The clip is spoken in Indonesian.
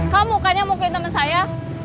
kamu kan yang mukulin temen saya